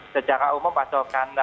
sejarah umum pasukan